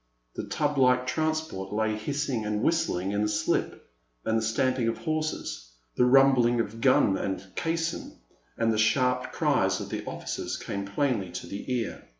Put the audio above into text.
The tub like transport lay hissing and whistling in the slip, and the stamping of horses, the rumbling of gun and caisson, and the sharp cries of the officers came plainly to the ear.